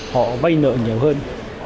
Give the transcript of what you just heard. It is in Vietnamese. họ vay nợ nhiều hơn